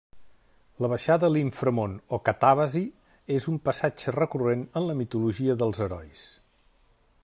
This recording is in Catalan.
La baixada a l'inframón o catàbasi és un passatge recurrent en la mitologia dels herois.